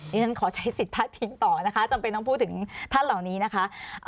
ฉันขอใช้สิทธิพลาดพิงต่อนะคะจำเป็นต้องพูดถึงท่านเหล่านี้นะคะ